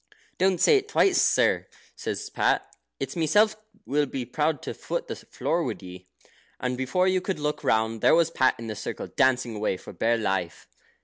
"Don't say it twice, sir," says Pat. "It's myself will be proud to foot the floor wid ye;" and before you could look round, there was Pat in the circle dancing away for bare life.